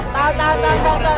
tahan tahan tahan